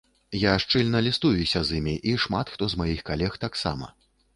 Я шчыльна лістуюся з ім, і шмат хто з маіх калег таксама.